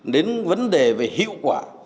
đến vấn đề về hiệu quả